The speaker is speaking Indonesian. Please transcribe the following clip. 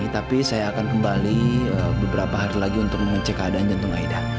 tapi saya akan kembali beberapa hari lagi untuk mengecek keadaan jantung aida